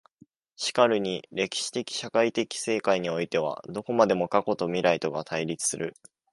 然るに歴史的社会的世界においてはどこまでも過去と未来とが対立する。